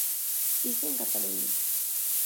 Iso en Cataluña.